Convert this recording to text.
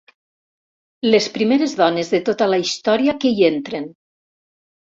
Les primeres dones de tota la història que hi entren.